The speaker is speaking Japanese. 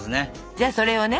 じゃあそれをね